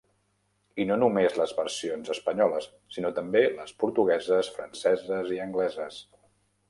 I no només les versions espanyoles, sinó també les portugueses, franceses i angleses...